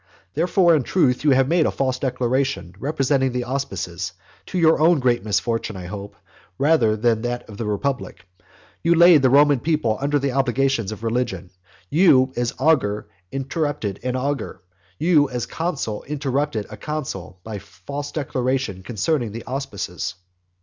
Therefore, in truth, you have made a false declaration respecting the auspices, to your own great misfortune, I hope, rather than to that of the republic. You laid the Roman people under the obligations of religion; you as augur interrupted an augur; you as consul interrupted a consul by a false declaration concerning the auspices.